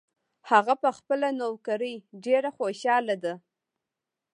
هغه په خپله نوکري ډېر خوشحاله ده